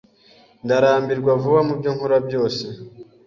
Ndarambirwa vuba mubyo nkora byose.